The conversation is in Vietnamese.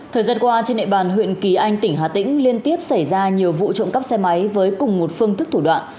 thời gian qua trên địa bàn huyện kỳ anh tỉnh hà tĩnh liên tiếp xảy ra nhiều vụ trộm cắp xe máy với cùng một phương thức thủ đoạn